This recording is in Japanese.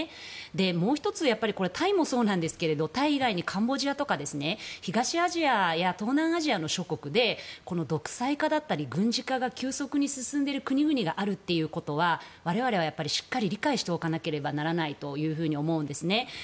もう１つ、タイもそうですがタイ以外にカンボジアとか東アジアや東南アジアの諸国でこの独裁化だったり軍事化が急速に進んでいる国々があるということは我々はしっかり理解しておかなければならないと思うんです。